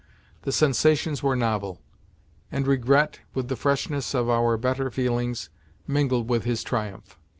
The sensations were novel; and regret, with the freshness of our better feelings, mingled with his triumph.